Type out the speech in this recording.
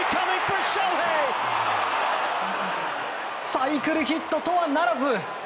サイクルヒットとはならず。